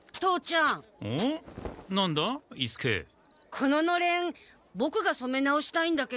こののれんボクがそめ直したいんだけど。